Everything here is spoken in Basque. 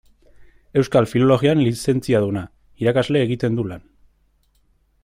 Euskal filologian lizentziaduna, irakasle egiten du lan.